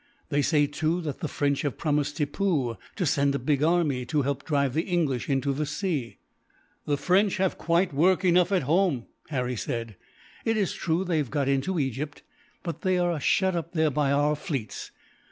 They say, too, that the French have promised Tippoo to send a big army, to help to drive the English into the sea." "The French have quite work enough, at home," Harry said. "It is true that they have got into Egypt, but they are shut up there by our fleets.